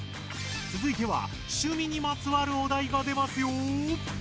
つづいては趣味にまつわるお題が出ますよ。